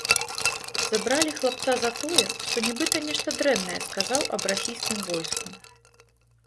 Забралі хлапца за тое, што нібыта нешта дрэннае сказаў аб расійскім войску.